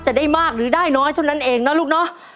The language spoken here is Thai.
จะได้มากหรือได้น้อยเท่านั้นเองนะลูกเนาะ